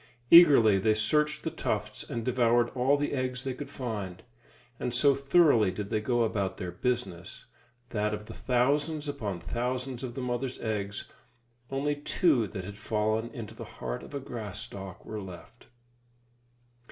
Eagerly they searched the tufts and devoured all the eggs they could find; and so thoroughly did they go about their business, that of the thousands upon thousands of the mother's eggs, only two that had fallen into the heart of a grass stalk were left.